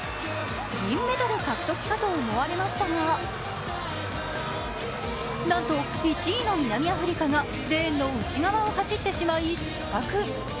銀メダル獲得かと思われましたがなんと１位の南アフリカがレーンの内側を走ってしまい失格。